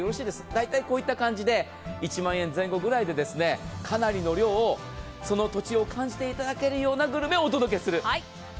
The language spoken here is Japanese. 大体こういった形で１万円前後ぐらいで、かなりの量をその土地を感じていただけるようなグルメをお届けする。